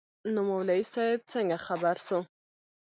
نو مولوي صاحب څنگه خبر سو.